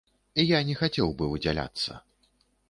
Я не хацеў бы выдзяляцца.